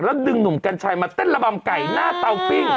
แล้วดึงหนุ่มกัญชัยมาเต้นระบำไก่หน้าเตาปิ้ง